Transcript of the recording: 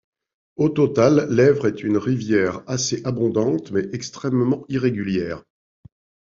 Au total, l'Èvre est une rivière assez abondante, mais extrêmement irrégulière.